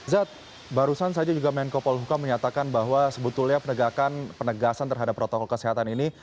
zat barusan saja juga menko polhukam menyatakan bahwa sebetulnya penegakan penegasan terhadap protokol kesehatan ini